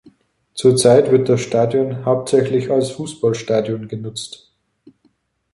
Zurzeit wird das Stadion hauptsächlich als Fußballstadion genutzt.